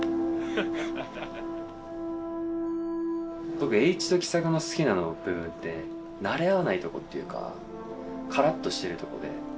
僕栄一と喜作の好きな部分ってなれ合わないとこっていうかカラッとしてるとこで。